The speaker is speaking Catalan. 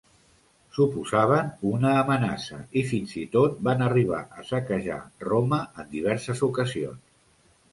Suposaven una amenaça i fins i tot van arribar a saquejar Roma en diverses ocasions.